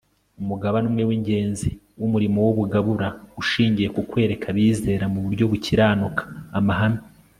umugabane umwe w'ingenzi w'umurimo w'ubugabura ushingiye ku kwereka abizera mu buryo bukiranuka amahame